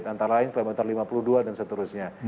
antara lain kilometer lima puluh dua dan seterusnya